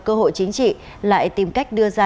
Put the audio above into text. cơ hội chính trị lại tìm cách đưa ra